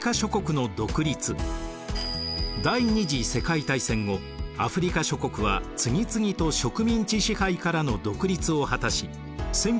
第二次世界大戦後アフリカ諸国は次々と植民地支配からの独立を果たし